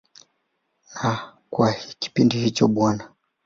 Na kwa kipindi hicho Bw.